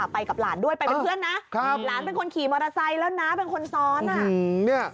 หลานเป็นคนขี่โมโรไซส์แล้วหนาเป็นคนซ้อน